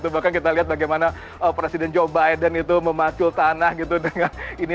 bahkan kita lihat bagaimana presiden joe biden itu memacu tanah gitu dengan ini